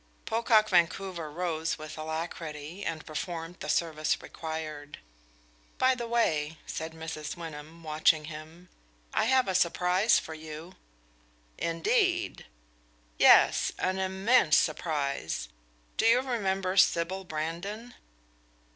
Pocock Vancouver rose with alacrity and performed the service required. "By the way," said Mrs. Wyndham, watching him, "I have a surprise for you." "Indeed?" "Yes, an immense surprise. Do you remember Sybil Brandon?"